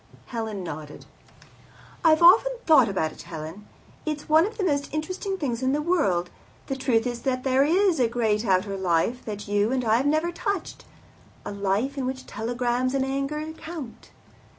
Helen nodded. "I've often thought about it, Helen. It's one of the most interesting things in the world. The truth is that there is a great outer life that you and I have never touched a life in which telegrams and anger count.